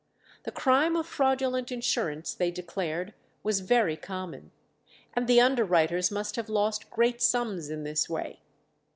The crime of fraudulent insurance they declared was very common, and the underwriters must have lost great sums in this way.